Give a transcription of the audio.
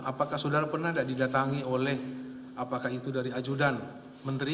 apakah saudara pernah tidak didatangi oleh apakah itu dari ajudan menteri